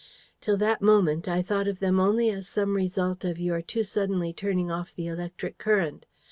Till that moment, I thought of them only as some result of your too suddenly turning off the electric current.